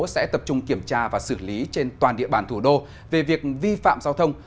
sẽ tập trung kiểm tra và xử lý trên toàn địa bàn thủ đô về việc vi phạm giao thông